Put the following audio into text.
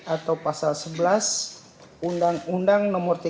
atau pasal sebelas undang undang nomor tiga puluh satu tahun dua ribu satu